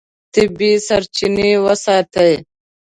طبیعي سرچینې وساتئ.